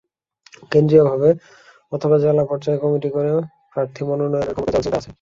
কেন্দ্রীয়ভাবে অথবা জেলা পর্যায়ে কমিটি করে প্রার্থী মনোনয়নের ক্ষমতা দেওয়ার চিন্তা আছে।